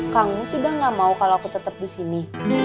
kang mus udah gak mau kalau aku tetap disini